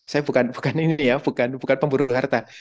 saya bukan pemburu harta